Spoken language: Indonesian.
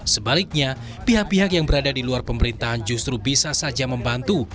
sebaliknya pihak pihak yang berada di luar pemerintahan justru bisa saja membantu